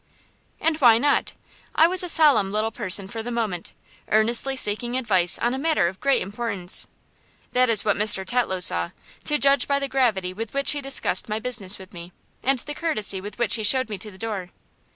And why not? I was a solemn little person for the moment, earnestly seeking advice on a matter of great importance. That is what Mr. Tetlow saw, to judge by the gravity with which he discussed my business with me, and the courtesy with which he showed me to the door.